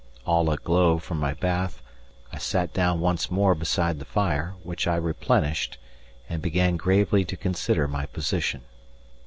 All aglow from my bath, I sat down once more beside the fire, which I replenished, and began gravely to consider my position.